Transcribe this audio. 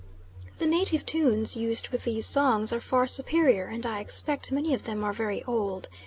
The native tunes used with these songs are far superior, and I expect many of them are very old.